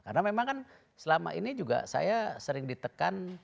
karena memang kan selama ini juga saya sering ditekan